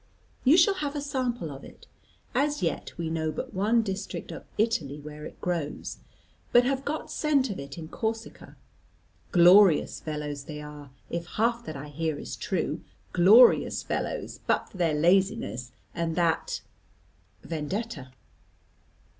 You shall have a sample of it. As yet we know but one district of Italy where it grows, but have got scent of it in Corsica. Glorious fellows they are, if half that I hear is true, glorious fellows but for their laziness, and that Vendetta."